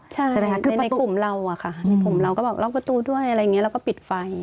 ใช่ในกลุ่มเราค่ะกลุ่มเราก็บอกล็อกประตูด้วยอะไรอย่างนี้แล้วก็ปิดไฟ